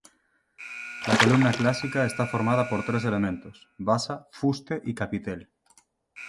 La columna clásica está formada por tres elementos: basa, fuste y capitel.